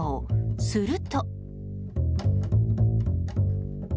すると。